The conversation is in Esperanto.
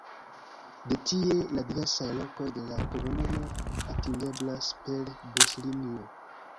De tie la diversaj lokoj de la komunumo atingeblas per buslinio.